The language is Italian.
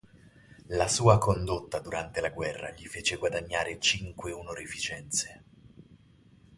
La sua condotta durante la guerra gli fece guadagnare cinque onorificenze.